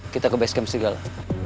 kita ke base camp segala